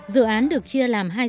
dự án được chia làm hai diện tích